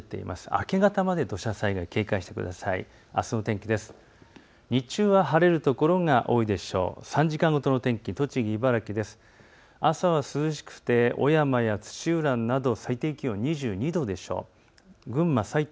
明け方まで土砂災害に警戒してください。